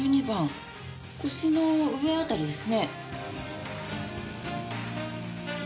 １２番腰の上辺りですね。